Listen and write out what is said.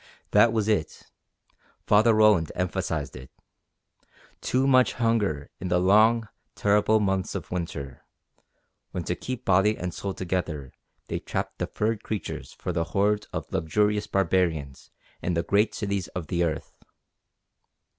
That was it! Father Roland emphasized it. Too much hunger in the long, terrible months of winter, when to keep body and soul together they trapped the furred creatures for the hordes of luxurious barbarians in the great cities of the earth.